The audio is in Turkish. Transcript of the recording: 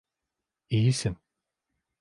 İyisin.